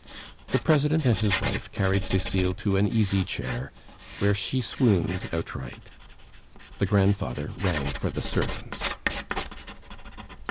The President and his wife carried Cecile to an easy chair, where she swooned outright. The grandfather rang for the servants.